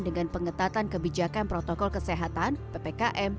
dengan pengetatan kebijakan protokol kesehatan ppkm